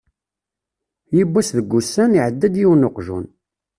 Yiwwas deg wussan, iεedda-d yiwen weqjun.